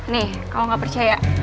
nih kalau nggak percaya